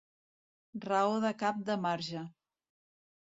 Raó de cap de marge.